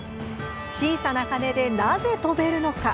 小さな羽で、なぜ飛べるのか？